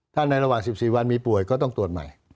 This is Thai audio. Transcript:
ถ้าในระหว่าง๑๔วันมีป่วยก็ต้องตรวจใหม่